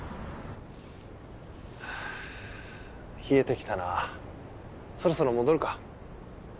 冷えてきたなそろそろ戻るか。